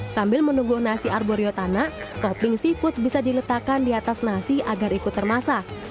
sambil menunggu nasi arborio tanah topping seafood bisa diletakkan di atas nasi agar ikut termasak